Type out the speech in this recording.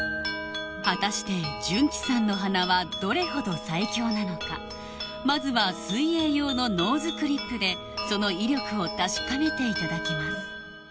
果たしてジュンキさんの鼻はどれほど最強なのかまずは水泳用のノーズクリップでその威力を確かめていただきます